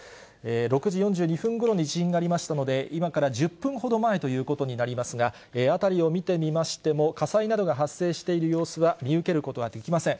６時４２分ごろに地震がありましたので、今から１０分ほど前ということになりますが、辺りを見てみましても、火災などが発生している様子は見受けることはできません。